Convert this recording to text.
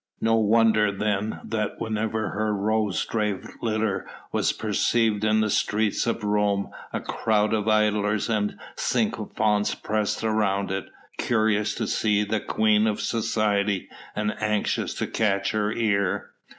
No wonder then that whenever her rose draped litter was perceived in the streets of Rome a crowd of idlers and of sycophants pressed around it, curious to see the queen of society and anxious to catch her ear.